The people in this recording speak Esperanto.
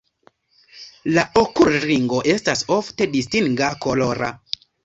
La okulringo estas ofte distinga kolora.